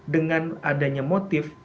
dengan adanya motif